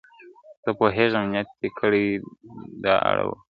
زه پوهېږم نیت دي کړی د داړلو !.